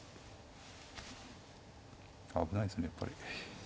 危ないですねやっぱり。